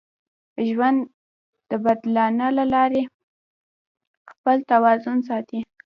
ژوند د بدلانه له لارې خپل توازن ساتي.